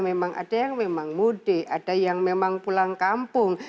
memang ada yang mudik ada yang pulang kampung